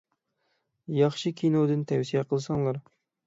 ياخشى كىنودىن تەۋسىيە قىلساڭلار.